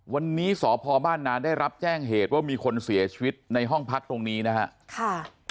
วันนี้สพบ้านนาได้รับแจ้งเหตุว่ามีคนเสียชีวิตในห้องพักตรงนี้นะครับ